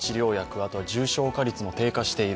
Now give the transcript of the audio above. あと重症化率も低下している。